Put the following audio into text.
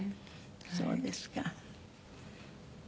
そうですか。